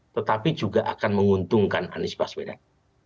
tetapi juga akan menguntungkan anies baswedan